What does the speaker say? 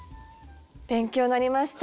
勉強になりました。